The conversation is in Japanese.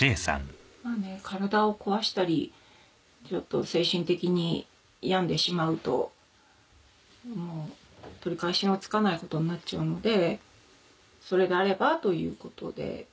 体を壊したりちょっと精神的に病んでしまうともう取り返しのつかないことになっちゃうのでそれであればということで。